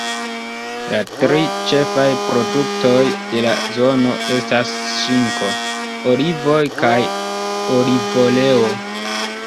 La tri ĉefaj produktoj de la zono estas ŝinko, olivoj kaj olivoleo.